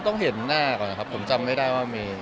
ต้องเห็นหน้าก่อนนะครับผมจำไม่ได้ว่ามีคือเกิดปัญหา